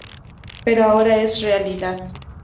Pero ahora es realidad.